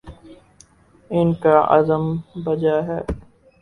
ان کا عزم بجا ہے۔